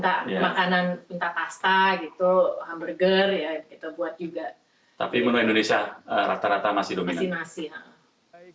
tapi indonesia rata rata masih masih